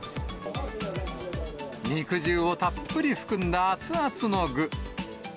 肉汁をたっぷり含んだ熱々の具。